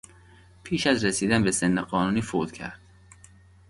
پیش از رسیدن به سن قانونی فوت کرد.